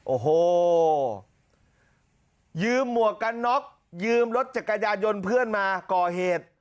โอ้โหยืมหมวกกันน็อกยืมรถจักรยานยนต์เพื่อนมาก่อเหตุ